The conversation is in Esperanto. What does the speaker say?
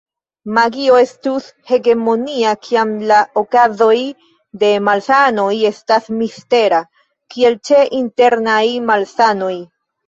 Magio estus hegemonia kiam la okazoj de malsanoj estas mistera, kiel ĉe internaj malsanoj.